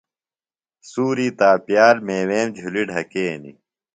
سُوری تاپیال میویم جُھلیۡ ڈھکینی۔